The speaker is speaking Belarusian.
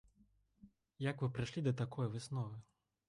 Як вы прыйшлі да такой высновы?